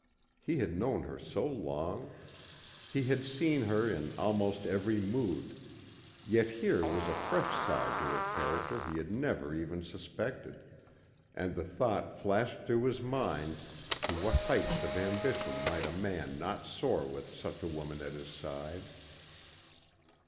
He had known her so long. He had seen her in almost every mood, yet here was a fresh side to her character he had never even suspected, and the thought flashed through his mind, to what heights of ambition might a man not soar with such a woman at his side.